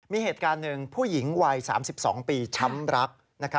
มีเหตุการณ์หนึ่งผู้หญิงวัย๓๒ปีช้ำรัก